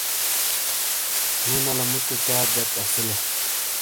مو نلا موتے چار جک اسی لے۔